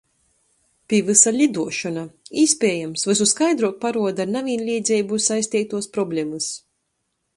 Pi vysa liduošona, īspiejams, vysu skaidruok paruoda ar navīnleidzeibu saisteituos problemys.